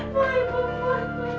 ibu ibu ibu